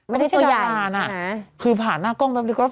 ไม่ใช่ตัวใหญ่ไม่ใช่ตัวใหญ่นะคือผ่านหน้ากล้องแป๊บที่ครับ